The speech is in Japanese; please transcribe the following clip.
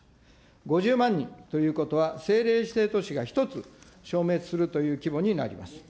５０万人ということは、政令指定都市が１つ、消滅するという規模になります。